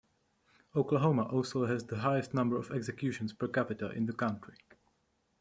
Oklahoma also has the highest number of executions per capita in the country.